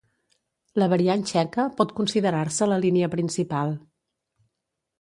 La variant txeca pot considerar-se la línia principal.